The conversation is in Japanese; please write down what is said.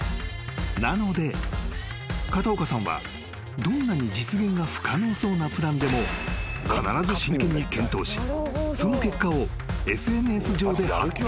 ［なので片岡さんはどんなに実現が不可能そうなプランでも必ず真剣に検討しその結果をＳＮＳ上で発表］